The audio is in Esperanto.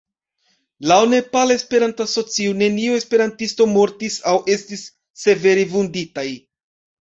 Laŭ Nepala Esperanto-Asocio neniuj esperantistoj mortis aŭ estis severe vunditaj.